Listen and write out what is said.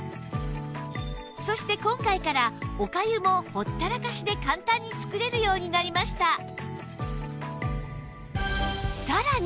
そして今回からお粥もほったらかしで簡単に作れるようになりました